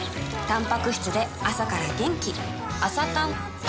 たんぱく質で朝から元気